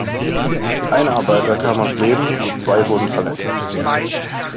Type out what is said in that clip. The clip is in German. Ein Arbeiter kam ums Leben und zwei wurden verletzt.